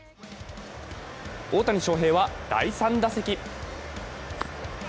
大谷翔平は第３打席。